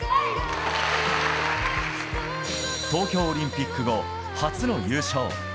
東京オリンピック後、初の優勝。